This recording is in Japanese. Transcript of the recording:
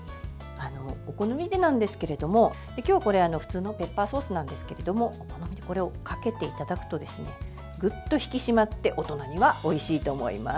お好みでなんですけれども今日は普通のペッパーソースなんですけれどもこれをかけていただくとグッと引き締まって大人にはおいしいと思います。